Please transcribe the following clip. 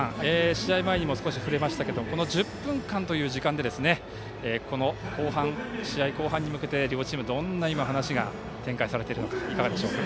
試合前にも触れましたがこの１０分間という時間で試合後半に向けて両チーム、どんな話が展開されているのかいかがですか。